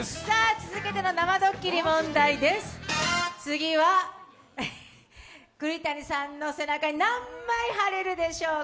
続けての生ドッキリ問題です、次は栗谷さんの背中に何枚貼れるでしょうか。